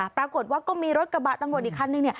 ปรากฏว่าก็มีรถกระบะตำรวจอีกคันนึง